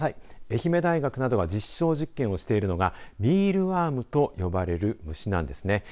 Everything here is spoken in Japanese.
愛媛大学などが実証実験してるのはミールワームと呼ばれる虫なんですね。